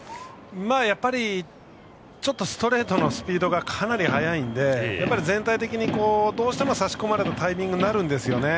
やっぱりスピードがかなり速いので全体的にどうしても差し込まれるタイミングになるんですよね。